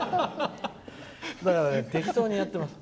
だから適当にやってます。